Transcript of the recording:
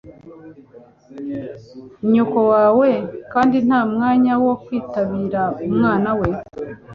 Nyoko wawe, kandi ntamwanya wo kwitabira umwana we?